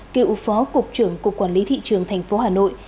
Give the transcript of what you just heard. cựu phó cục trưởng cục quản lý thị trường tp hà nội